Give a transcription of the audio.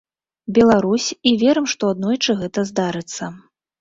Беларусь і верым, што аднойчы гэта здарыцца.